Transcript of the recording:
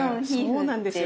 そうなんですよ